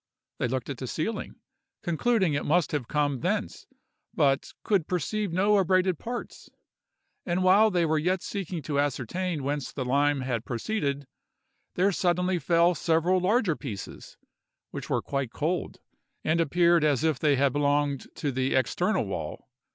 They looked at the ceiling, concluding it must have come thence, but could perceive no abraded parts; and while they were yet seeking to ascertain whence the lime had proceeded, there suddenly fell several larger pieces, which were quite cold, and appeared as if they had belonged to the external wall.